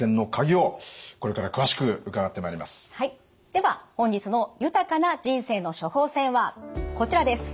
では本日の「豊かな人生の処方せん」はこちらです。